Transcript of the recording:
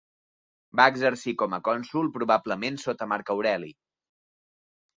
Va exercir com a cònsol probablement sota Marc Aureli.